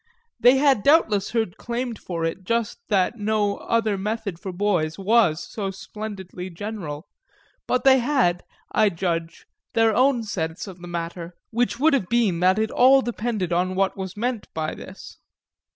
They had doubtless heard claimed for it just that no other method for boys was so splendidly general, but they had, I judge, their own sense of the matter which would have been that it all depended on what was meant by this.